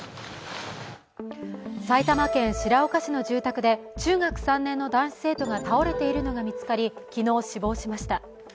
埼玉県白岡市の住宅で中学３年の男子生徒が倒れているのが見つかり昨日、死亡しました。